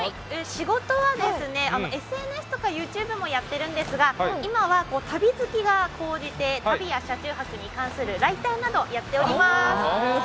仕事は、ＳＮＳとかＹｏｕＴｕｂｅもやってるんですが今は旅好きが高じて旅や車中泊に関するライターなどやっております。